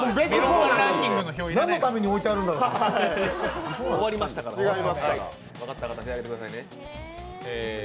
何のために置いてあるんだろうと思って。